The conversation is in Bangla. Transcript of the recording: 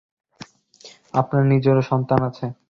আমার নিজেরও সন্তান আছে।